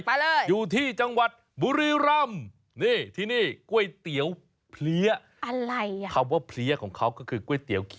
อร่อยเจ็มจ้นขนาดไหนมาดูภาพกันเลย